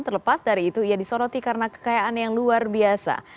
terlepas dari itu ia disoroti karena kekayaan yang luar biasa